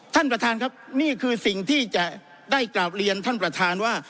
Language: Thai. ท่านประธานครับนี่คือสิ่งที่จะได้กราบเรียนท่านประธานว่า